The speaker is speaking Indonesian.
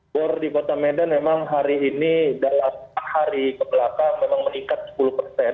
bor di kota medan memang hari ini dalam hari kebelakang memang meningkat sepuluh persen